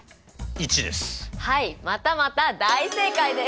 はいまたまた大正解です！